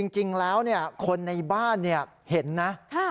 จริงแล้วเนี่ยคนในบ้านเนี่ยเห็นนะ